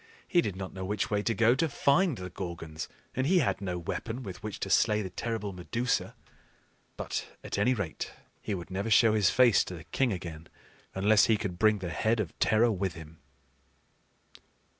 He did not know which way to go to find the Gorgons, and he had no weapon with which to slay the terrible Medusa. But at any rate he would never show his face to the king again, unless he could bring the head of terror with him.